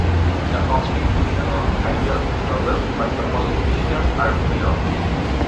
The constitutional ideal is noble; but the politicians are vile.